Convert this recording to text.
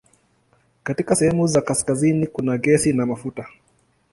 Katika sehemu za kaskazini kuna gesi na mafuta.